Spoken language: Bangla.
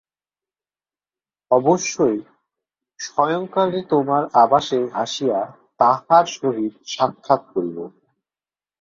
অবশ্যই সায়ংকালে তোমার আবাসে আসিয়া তাঁহার সহিত সাক্ষাৎ করিব।